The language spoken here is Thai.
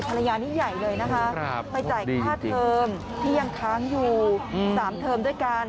ไปจ่ายค่าเทอมที่ยังค้างอยู่๓เทอมด้วยกัน